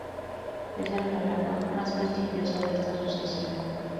Es el galardón más prestigioso de esta asociación.